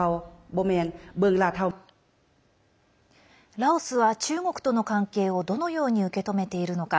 ラオスは中国との関係をどのように受け止めているのか。